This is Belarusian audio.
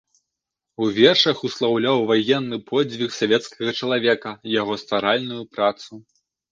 У вершах услаўляў ваенны подзвіг савецкага чалавека, яго стваральную працу.